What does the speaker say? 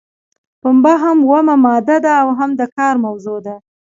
پنبه هم اومه ماده ده او هم د کار موضوع ده.